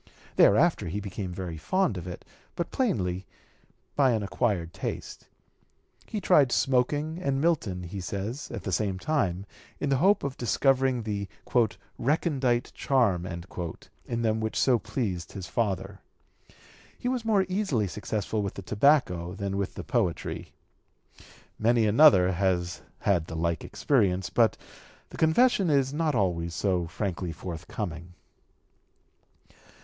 Thereafter he became very fond of it, but plainly by an acquired taste. He tried smoking and Milton, he says, at the same time, in the hope of discovering the "recondite charm" in them which so pleased his father. He was more easily successful with the tobacco than with the poetry. Many another has had the like experience, but the confession is not always so frankly forthcoming.